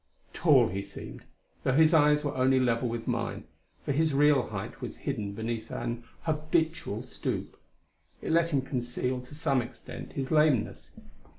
Tall, he seemed, though his eyes were only level with mine, for his real height was hidden beneath an habitual stoop. It let him conceal, to some extent, his lameness.